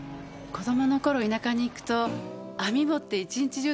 子供の頃田舎に行くと網持って一日中